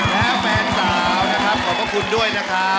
และแฟนสาวนะครับขอบพระคุณด้วยนะครับ